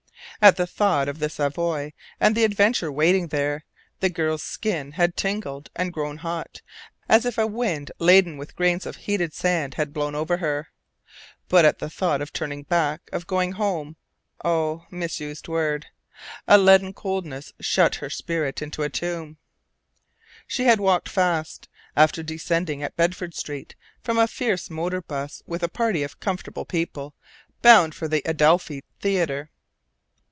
At the thought of the Savoy and the adventure waiting there, the girl's skin had tingled and grown hot, as if a wind laden with grains of heated sand had blown over her. But at the thought of turning back, of going "home" oh, misused word! a leaden coldness shut her spirit into a tomb. She had walked fast, after descending at Bedford Street from a fierce motor bus with a party of comfortable people, bound for the Adelphi Theatre.